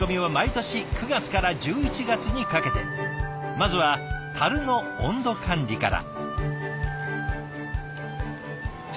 まずはたるの温度管理から。